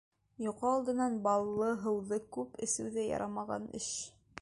— Йоҡо алдынан баллы һыуҙы күп эсеү ҙә ярамаған эш.